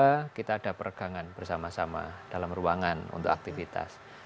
pertama kita ada peregangan bersama sama dalam ruangan untuk aktivitas